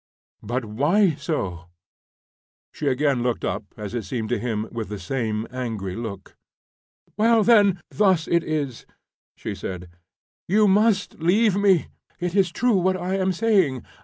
"But why so?" She again looked up, as it seemed to him, with the same angry look. "Well, then, thus it is," she said. "You must leave me. It is true what I am saying.